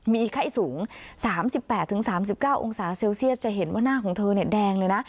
มีไข้สูง๓๘๓๙องศาเซลเซียสจะเห็นว่าหน้าของเธอแดงเลยนะ